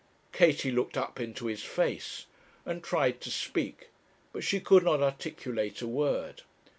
Katie looked up into his face, and tried to speak, but she could not articulate a word.